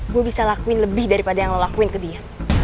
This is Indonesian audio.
gue bisa lakuin lebih daripada yang lolakuin ke dia